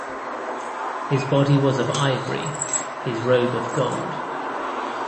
His body was of ivory, his robe of gold.